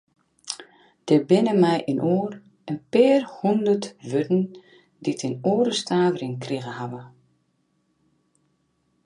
Der binne mei-inoar in pear hûndert wurden dy't in oare stavering krigen hawwe.